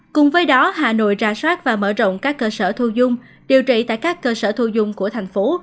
cùng với đó hà nội ra soát và mở rộng các cơ sở thu dung điều trị tại các cơ sở thu dung của thành phố